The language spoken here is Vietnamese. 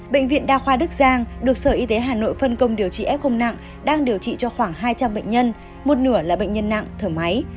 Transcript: bệnh viện đa khoa đức giang được sở y tế hà nội phân công điều trị f nặng đang điều trị cho khoảng hai trăm linh bệnh nhân một nửa là bệnh nhân nặng thở máy